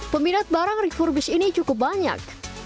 peminat barang refurbish ini cukup banyak